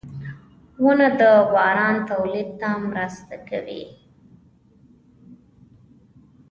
• ونه د باران تولید ته مرسته کوي.